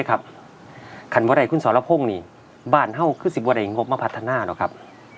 คันเมื่อไหร่คุณสรพงศ์นี่บ้านเห่าคือ๑๐ไร่งบมาพัฒนาหรอกครับ